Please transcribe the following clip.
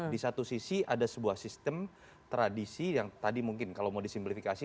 di satu sisi ada sebuah sistem tradisi yang tadi mungkin kalau mau disimplifikasi